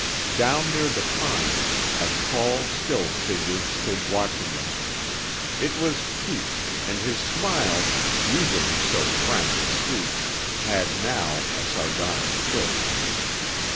Down near the pines a tall, still figure stood watching them. It was Pete, and his smile, usually so frank and sweet, had now a sardonic twist.